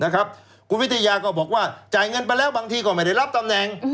คุณวิทยาก็บอกว่าจ่ายเงินไปแล้วบางทีก็ไม่ได้รับตำแหน่ง